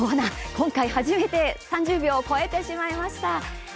今回、初めて３０秒を超えてしまいました。